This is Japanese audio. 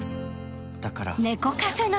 だから